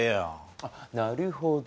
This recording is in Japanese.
あっなるほど。